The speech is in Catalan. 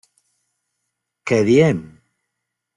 Què diem?